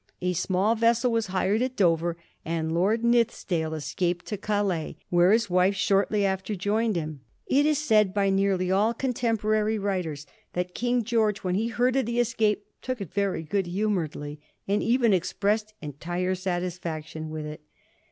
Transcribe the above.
A small vessel was hired at Dover, and Lord Nithisdale escaped to Calais, where his wife shortly after joined him. It is said by nearly all contemporary writers that King George, when he heard of the escape, took it very good humouredly, and even expressed entire satisfaction with it.